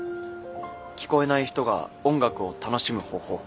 聞こえない人が音楽を楽しむ方法。